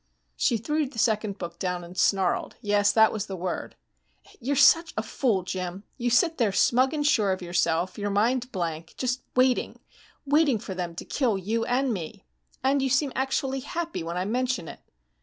She threw the second book down and snarled yes, that was the word, "You're such a fool, Jim! You sit there, smug and sure of yourself, your mind blank, just waiting waiting for them to kill you and me. And you seem actually happy when I mention it."